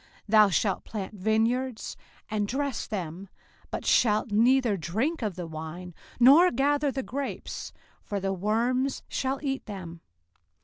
05:028:039 Thou shalt plant vineyards, and dress them, but shalt neither drink of the wine, nor gather the grapes; for the worms shall eat them.